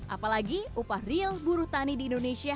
apalagi upah real buruh tani di indonesia